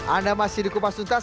anda masih di kupas tuntas